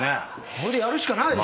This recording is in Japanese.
これでやるしかないでしょ。